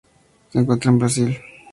Se encuentra en Brasil.